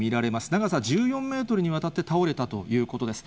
長さ１４メートルにわたって倒れたということです。